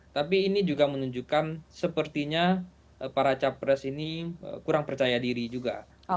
tapi ini juga menunjukkan sepertinya para capres ini kurang percaya diri juga